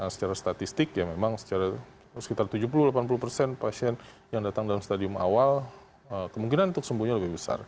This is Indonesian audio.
secara statistik ya memang secara sekitar tujuh puluh delapan puluh persen pasien yang datang dalam stadium awal kemungkinan untuk sembuhnya lebih besar